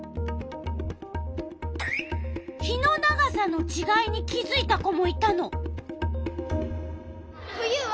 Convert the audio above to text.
日の長さのちがいに気づいた子もいたの。